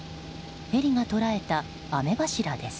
ヘリが捉えた雨柱です。